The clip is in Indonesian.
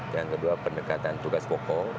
yang kedua pendekatan tugas pokok